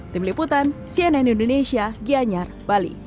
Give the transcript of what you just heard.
tim liputan cnn indonesia gianyar bali